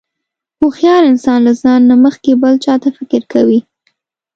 هوښیار انسان له ځان نه مخکې بل چاته فکر کوي.